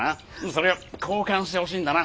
それを交換してほしいんだな。